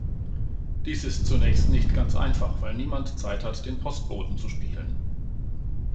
Dies ist zunächst nicht ganz einfach, weil niemand Zeit hat, den Postboten zu spielen.